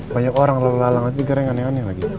banyak orang lalu lalu nanti keren aneh aneh lagi